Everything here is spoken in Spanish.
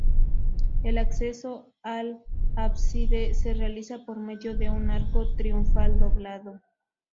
El acceso al ábside se realiza por medio de un arco triunfal doblado.